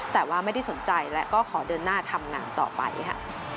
แต่ว่าไม่ได้สนใจและก็ขอเดินหน้าทำงานต่อไปค่ะ